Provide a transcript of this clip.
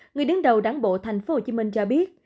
người đứng đầu đáng bộ thành phố hồ chí minh cho biết